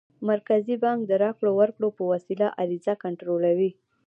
مرکزي بانک د راکړو ورکړو په وسیله عرضه کنټرولوي.